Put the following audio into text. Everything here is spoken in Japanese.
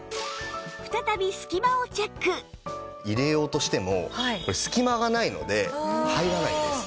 入れようとしてもこれ隙間がないので入らないんです。